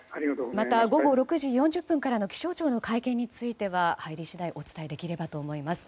また、午後６時４０分からの気象庁の会見については入り次第お伝えできればと思います。